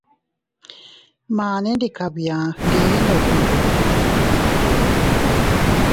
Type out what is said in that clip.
Mane ndi kabia gndi ndoko ndodoko.